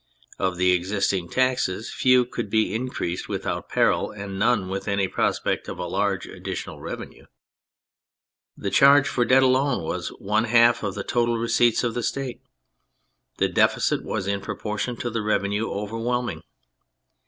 Of the existing taxes few could be increased without peril, and none with any prospect of a large additional revenue. The charge for debt alone was one half of the total receipts of the State, the deficit was, in proportion to the revenue, overwhelming.